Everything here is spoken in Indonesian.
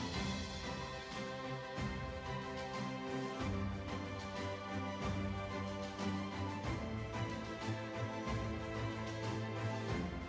baik selanjutnya kami juga mengundang ke atas panggung bapak mulyaman dehadat